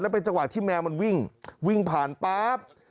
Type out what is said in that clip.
แล้วไปจังหวานที่แมวมันวิ่งพาร์มป๊า้บ